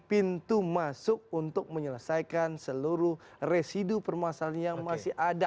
pintu masuk untuk menyelesaikan seluruh residu permasalahan yang masih ada